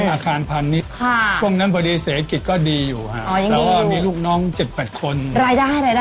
อาคารพันธุ์นี้ช่วงนั้นพอดีเศรษฐกิจก็ดีอยู่ค่ะแต่ว่ามีลูกน้อง๗๘คนรายได้ตอนนั้น